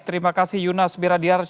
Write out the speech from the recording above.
terima kasih yunus miradyarjah